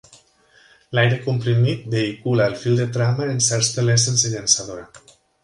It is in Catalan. L'aire comprimit vehicula el fil de trama en certs telers sense llançadora.